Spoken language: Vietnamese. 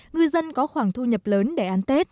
ngư dân có khoảng thu nhập lớn